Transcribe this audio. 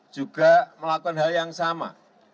juga melakukan hal yang sama